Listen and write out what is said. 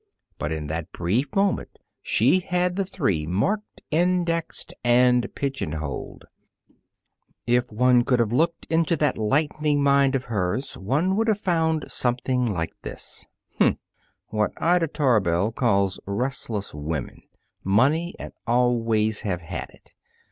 But in that brief moment she had the three marked, indexed and pigeonholed. If one could have looked into that lightning mind of hers, one would have found something like this: "Hmm! What Ida Tarbell calls 'Restless women.' Money, and always have had it.